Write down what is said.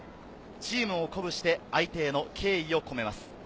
チームを鼓舞して、相手への敬意を込めます。